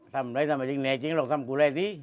ทำอะไรทำไมถึงแน่จริงหรอกทำกูไล่สิ